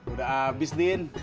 udah abis din